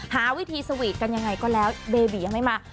หาวิธีสวีทกันยังไงก็แล้วเบบียังไม่มา